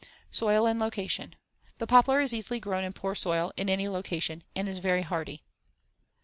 Soil and location: The poplar is easily grown in poor soil, in any location, and is very hardy.